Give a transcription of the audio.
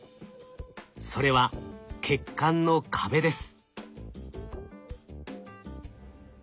それは血管の壁です。